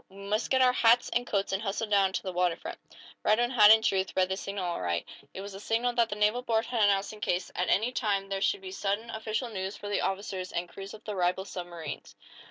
"We must get our hats and coats, and hustle down to the water front." Radwin, had in truth, read the signal aright. It was the signal that the naval board had announced in case, at any time, there should be sudden, official news for the officers and crews of the rival submarines.